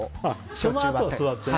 そのあとは座ってね。